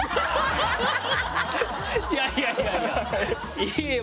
いやいやいやいや。